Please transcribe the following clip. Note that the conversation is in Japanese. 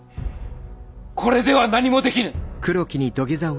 これでは何もできぬ。